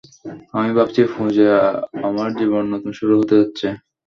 আমি ভাবছি পূজা, আমার জীবন নতুন শুরু হতে যাচ্ছে।